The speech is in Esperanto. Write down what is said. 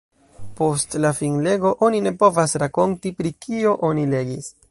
Post la finlego, oni ne povas rakonti, pri kio oni legis.